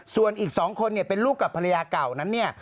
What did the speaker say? ส่วนอีก๒คนเนี่ยเป็นลูกกับภรรยาเก่านั้นเนี่ย